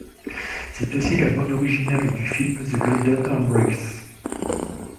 C'est aussi la bande originale du film The Golden Embrace.